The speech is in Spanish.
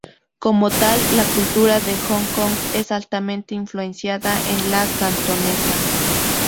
Como tal, la cultura de Hong Kong es altamente influenciada de la cantonesa.